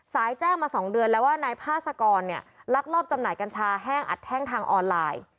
แจ้งมา๒เดือนแล้วว่านายพาสกรเนี่ยลักลอบจำหน่ายกัญชาแห้งอัดแห้งทางออนไลน์